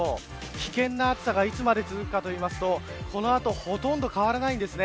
危険な暑さがいつまで続くかといいますとこの後ほとんど変わらないんですね。